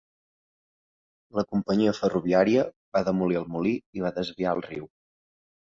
La companyia ferroviària va demolir el molí i va desviar el riu.